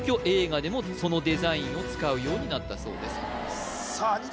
映画でもそのデザインを使うようになったそうですさあ